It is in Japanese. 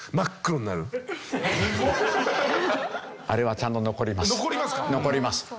あれはちゃんと残ります。